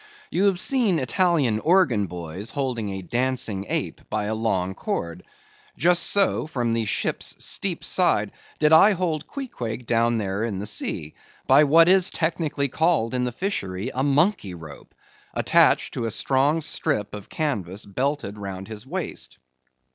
You have seen Italian organ boys holding a dancing ape by a long cord. Just so, from the ship's steep side, did I hold Queequeg down there in the sea, by what is technically called in the fishery a monkey rope, attached to a strong strip of canvas belted round his waist.